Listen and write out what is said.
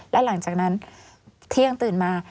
และหลังจากนั้นเที่ยงตื่นมา